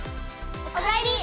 お帰り！